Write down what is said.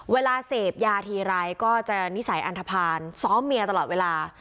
เวลาเสพยาทีไรก็จะนิสัยอันทภาณซ้อมเมียตลอดเวลา